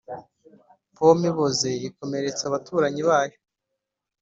pome iboze ikomeretsa abaturanyi bayo